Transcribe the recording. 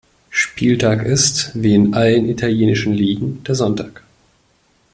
Spieltag ist, wie in allen italienischen Ligen, der Sonntag.